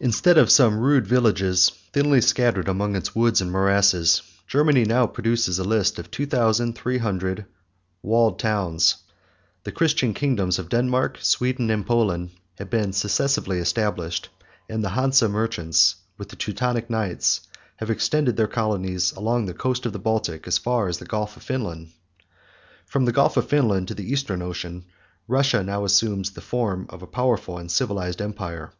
Instead of some rude villages, thinly scattered among its woods and morasses, Germany now produces a list of two thousand three hundred walled towns: the Christian kingdoms of Denmark, Sweden, and Poland, have been successively established; and the Hanse merchants, with the Teutonic knights, have extended their colonies along the coast of the Baltic, as far as the Gulf of Finland. From the Gulf of Finland to the Eastern Ocean, Russia now assumes the form of a powerful and civilized empire.